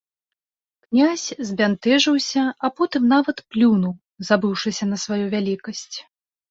Князь збянтэжыўся, а потым нават плюнуў, забыўшыся на сваю вялікасць.